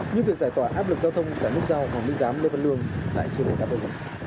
như việc giải tỏa áp lực giao thông tại nút giao hòa minh giám lê văn lương lại chưa đủ đáp ơn